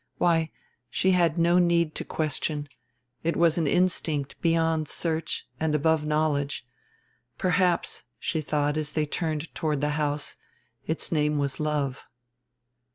Why, she had no need to question; it was an instinct beyond search and above knowledge; perhaps, she thought as they turned toward the house, its name was love.